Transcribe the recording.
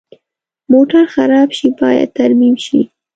موټر خراب شي، باید ترمیم شي.